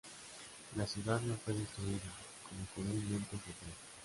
La ciudad no fue destruida como comúnmente se cree.